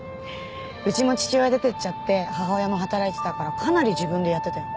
うちも父親出てっちゃって母親も働いてたからかなり自分でやってたよ。